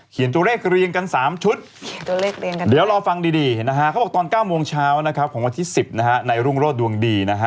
เขียนตัวเลขเรียงกัน๓ชุดเดี๋ยวรอฟังดีเขาบอกตอน๙โมงเช้าของวันที่๑๐ในรุ่งโรดดวงดีนะฮะ